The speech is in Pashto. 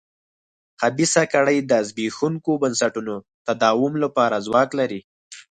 خبیثه کړۍ د زبېښونکو بنسټونو تداوم لپاره ځواک لري.